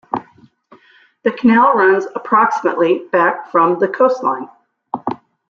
The canal runs approximately back from the coastline.